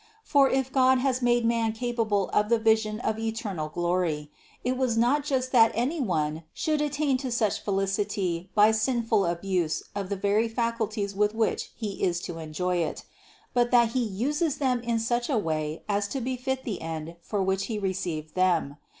For if God has made man capable of the vision of eternal glory, it was not just that any one should at tain to such felicity by sinful abuse of the very faculties with which he is to enjoy it ; but that he use them in such a way as to befit the end for which he received them.